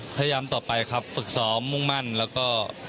พยายามต่อไปครับฝึกซ้อมมุ่งมั่นแล้วก็